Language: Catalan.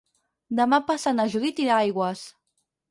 Demà passat na Judit irà a Aigües.